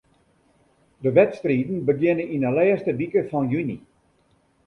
De wedstriden begjinne yn 'e lêste wike fan juny.